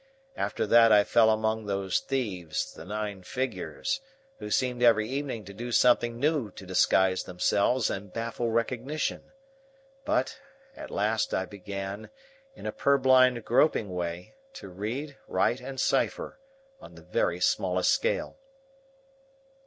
After that I fell among those thieves, the nine figures, who seemed every evening to do something new to disguise themselves and baffle recognition. But, at last I began, in a purblind groping way, to read, write, and cipher, on the very smallest scale.